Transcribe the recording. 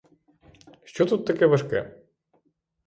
Що тут таке важке?